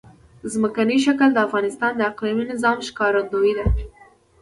ځمکنی شکل د افغانستان د اقلیمي نظام ښکارندوی ده.